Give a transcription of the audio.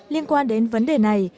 liên quan đến vấn đề này